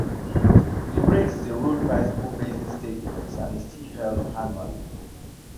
The race is a road bicycle racing stage race and is still held annually.